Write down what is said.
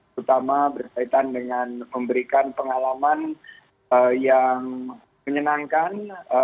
terutama berkaitan dengan memberikan pengalaman yang menyenangkan